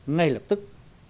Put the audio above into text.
ngay lập tức